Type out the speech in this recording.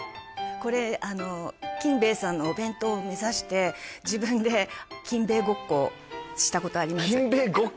これ金兵衛さんのお弁当を目指して自分でしたことあります